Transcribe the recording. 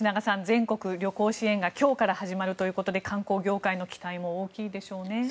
全国旅行支援が今日から始まるということで観光業界の期待も大きいでしょうね。